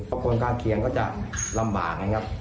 เพราะคนข้างเคียงก็จะลำบากนะครับ